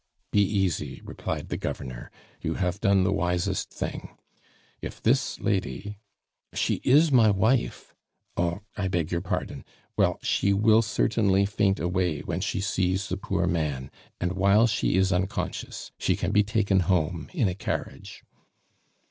"Be easy," replied the Governor; "you have done the wisest thing. If this lady " "She is my wife." "Oh! I beg your pardon. Well, she will certainly faint away when she sees the poor man, and while she is unconscious she can be taken home in a carriage.